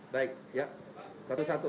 baik ya satu satu